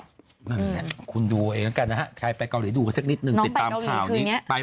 นั่นแหละคุณดูเอาเองแล้วกันนะฮะใครไปเกาหลีดูกันสักนิดนึงติดตามข่าวนี้ไป